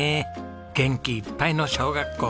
元気いっぱいの小学校３年生。